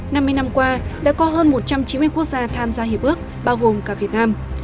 năm mươi năm qua đã có hơn một trăm chín mươi quốc gia tham gia hiệp ước bao gồm cả việt nam